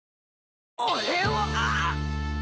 俺は！